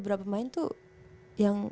beberapa main tuh yang